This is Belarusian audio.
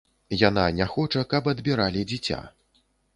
Яна не хоча, каб адбіралі дзіця.